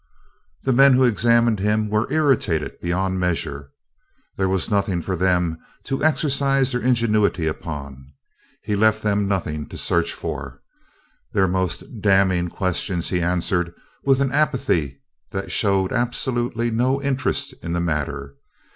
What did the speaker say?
The men who examined him were irritated beyond measure. There was nothing for them to exercise their ingenuity upon. He left them nothing to search for. Their most damning question he answered with an apathy that showed absolutely no interest in the matter.